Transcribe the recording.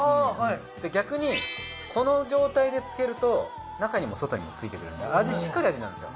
逆にこの状態で漬けると中にも外にもついてくるんで味しっかり味になるんですよ。